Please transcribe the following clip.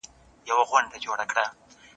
ماشومان باید د مېلمستون په ترتیب کې مرسته وکړي.